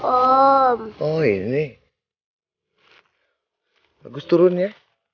oh ini bagus turun ya